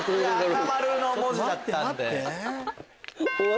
赤丸の文字だったんで。